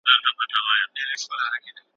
بهرنۍ پالیسي د هیواد په اقتصادي وده کي رول لري.